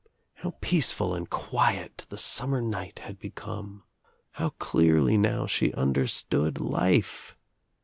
How peaceful and quiet the summer night had be j come I How clearly now she understood life!